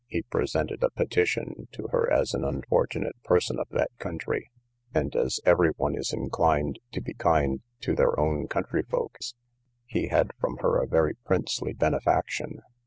he presented a petition to her as an unfortunate person of that country; and as every one is inclined to be kind to their own countryfolks, he had from her a very princely benefaction.